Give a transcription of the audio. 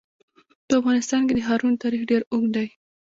په افغانستان کې د ښارونو تاریخ ډېر اوږد دی.